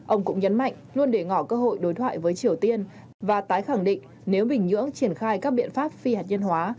ông cũng nhấn mạnh luôn để ngỏ cơ hội đối thoại với triều tiên và tái khẳng định nếu bình nhưỡng triển khai các biện pháp phi hạt nhân hóa